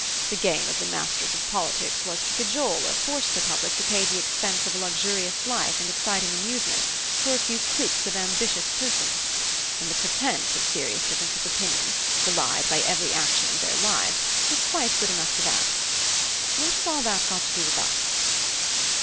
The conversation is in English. The game of the masters of politics was to cajole or force the public to pay the expense of a luxurious life and exciting amusement for a few cliques of ambitious persons: and the pretence of serious difference of opinion, belied by every action of their lives, was quite good enough for that. What has all that got to do with us?"